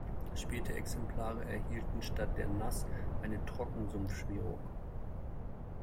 Späte Exemplare erhielten statt der Nass- eine Trockensumpfschmierung.